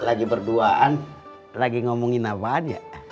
lagi berduaan lagi ngomongin apa aja